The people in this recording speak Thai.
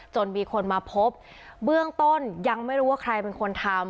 จนมีคนมาพบเบื้องต้นยังไม่รู้ว่าใครเป็นคนทำ